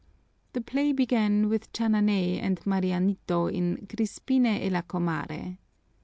The play began with Chananay and Marianito in Crispino é la comare.